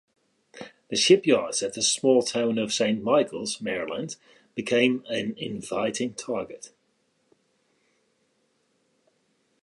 The shipyards at the small town of Saint Michaels, Maryland, became an inviting target.